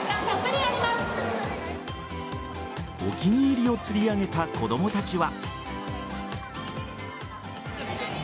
お気に入りを釣り上げた子供たちは。